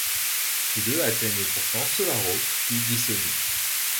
Tous deux atteignent pourtant Solaro puis Ghisoni.